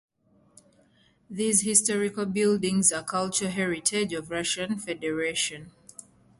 These historical buildings are cultural heritage of Russian Federation.